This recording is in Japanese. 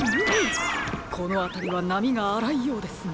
このあたりはなみがあらいようですね。